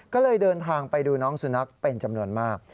ก็เลยเดินทางไปดูน้องสุนัขเป็นจำนวนมาก